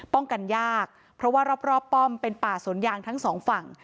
กันยากเพราะว่ารอบป้อมเป็นป่าสวนยางทั้งสองฝั่ง